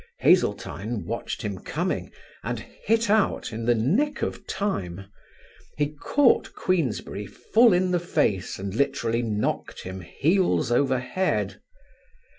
Haseltine watched him coming and hit out in the nick of time; he caught Queensberry full in the face and literally knocked him heels over head.